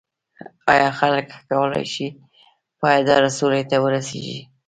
ایا خلک کولای شي پایداره سولې ته ورسیږي؟